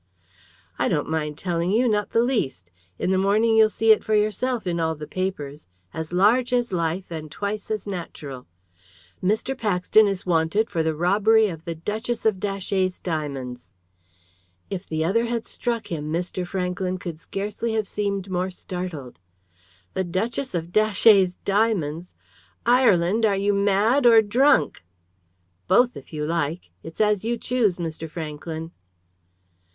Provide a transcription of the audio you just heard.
"I don't mind telling you, not the least. In the morning you'll see it for yourself in all the papers as large as life and twice as natural. Mr. Paxton is wanted for the robbery of the Duchess of Datchet's diamonds." If the other had struck him Mr. Franklyn could scarcely have seemed more startled. "The Duchess of Datchet's diamonds! Ireland, are you mad or drunk?" "Both, if you like. It's as you choose, Mr. Franklyn."